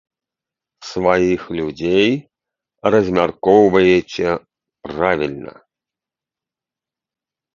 Сваіх людзей размяркоўваеце правільна.